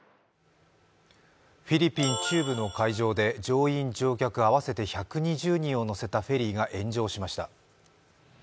フィリピン中部の海上で乗客・乗員１２０人を乗せたフェリーが炎上しました。